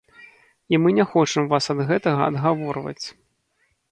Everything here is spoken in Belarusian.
І мы не хочам вас ад гэтага адгаворваць.